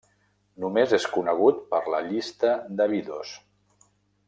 Només és conegut per la llista d'Abidos.